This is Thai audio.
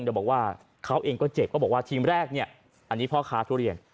เดี๋ยวบอกว่าเขาเองก็เจ็บก็บอกว่าทีมแรกเนี่ยอันนี้พ่อค้าทุเรียน